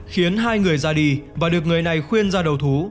khiến hai người ra đi và được người này khuyên ra đầu thú